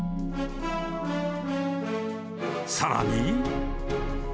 ［さらに］